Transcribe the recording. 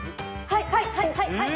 はいはい。